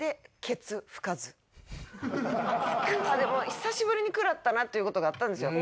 久しぶりに食らったなっていう事があったんですよ。